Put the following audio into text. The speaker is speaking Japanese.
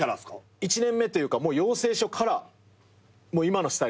１年目というか養成所から今のスタイルです。